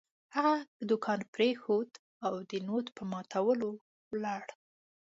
هغه دوکان پرېښود او د نوټ په ماتولو ولاړ.